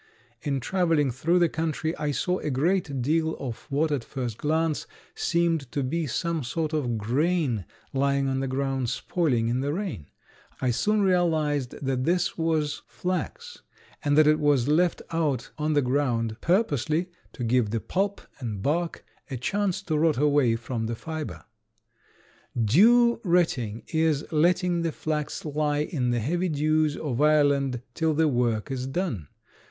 In traveling through the country I saw a great deal of what at first glance seemed to be some sort of grain lying on the ground spoiling in the rain. I soon realized that this was flax and that it was left out on the ground purposely to give the pulp and bark a chance to rot away from the fiber. Dew retting is letting the flax lie in the heavy dews of Ireland till the work is done.